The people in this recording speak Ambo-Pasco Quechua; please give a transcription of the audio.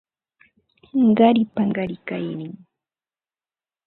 Qaripa qarikaynin